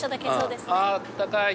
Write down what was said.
ああったかい。